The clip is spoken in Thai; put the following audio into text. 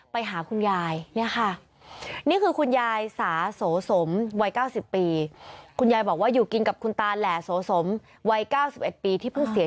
ไปหาคุณยาย